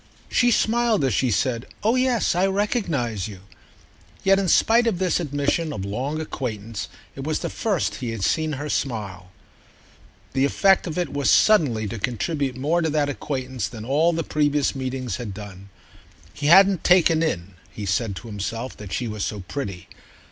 She smiled as she said "Oh yes, I recognise you"; yet in spite of this admission of long acquaintance it was the first he had seen of her smile. The effect of it was suddenly to contribute more to that acquaintance than all the previous meetings had done. He hadn't "taken in," he said to himself, that she was so pretty.